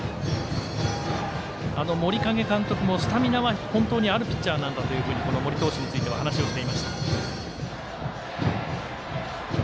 森影監督もスタミナは本当にあるピッチャーなんだとこの森投手については話をしていました。